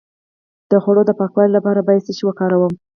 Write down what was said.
د خوړو د پاکوالي لپاره باید څه شی وکاروم؟